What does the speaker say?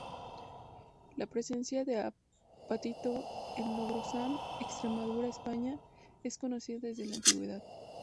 La presencia de apatito en Logrosán, Extremadura, España es conocida desde la antigüedad.